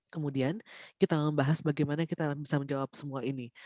kemudian kita membahas bagaimana kita bisa menjawab semua ini